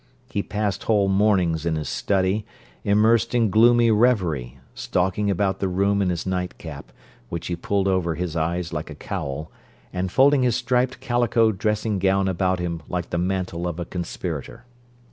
He passed whole mornings in his study, immersed in gloomy reverie, stalking about the room in his nightcap, which he pulled over his eyes like a cowl, and folding his striped calico dressing gown about him like the mantle of a conspirator.